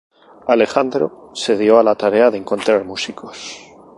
Alejandro se dio a la tarea de encontrar músicos.